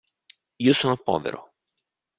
Io sono povero.